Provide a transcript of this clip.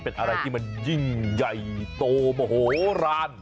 เป็นอะไรที่มันยิ่งใหญ่โตมโหลาน